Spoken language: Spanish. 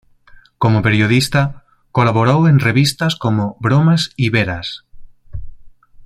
Como periodista colaboró en revistas como "Bromas y Veras.